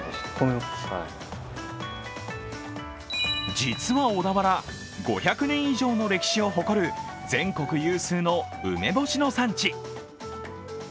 実は小田原、５００年以上の歴史を誇る全国有数の梅干しの産地。